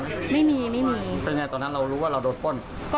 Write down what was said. ก็เลยเอาปืนออกมาเหมือนกัน